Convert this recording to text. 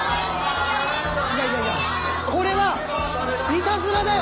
いやいやいやこれはイタズラだよ！